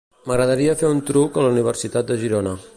M'agradaria fer un truc a la Universitat de Girona.